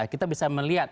kita bisa melihat